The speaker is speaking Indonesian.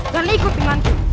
dan ikut denganku